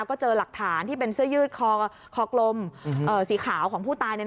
ก็เจอหลักฐานที่เป็นเสื้อยืดคอกลมสีขาวของผู้ตาย